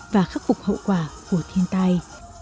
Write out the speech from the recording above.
và khắc phục hậu quả của thiên tai